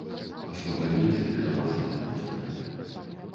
Аслабаніце, калі ласка панская.